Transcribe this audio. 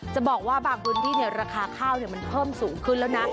จะบอกว่าบางพื้นที่ราคาข้าวมันเพิ่มสูงขึ้นแล้วนะ